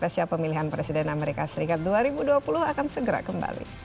di tingkat global